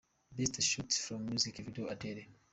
Best Short Form Music Video – Adele.